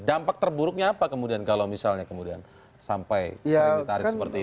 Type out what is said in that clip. dampak terburuknya apa kemudian kalau misalnya kemudian sampai sering ditarik seperti ini